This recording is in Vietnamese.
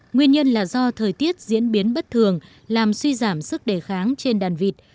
nguyên nhân là do thời tiết diễn biến bất thường làm suy giảm sức đề kháng trên đàn vịt